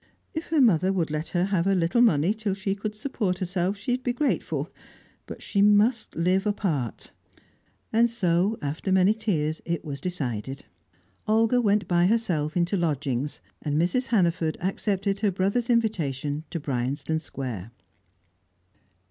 If her mother would let her have a little money, till she could support herself, she would be grateful; but she must live apart. And so, after many tears it was decided. Olga went by herself into lodgings, and Mrs. Hannaford accepted her brother's invitation to Bryanston Square.